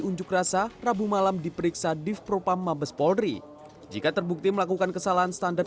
unjuk rasa rabu malam diperiksa div propam mabes polri jika terbukti melakukan kesalahan standar